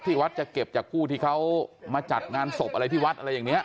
วัดจะเก็บจากผู้ที่เขามาจัดงานศพอะไรที่วัดอะไรอย่างนี้